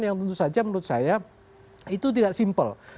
yang tentu saja menurut saya itu tidak simpel